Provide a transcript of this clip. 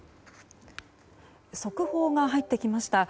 速報が入ってきました。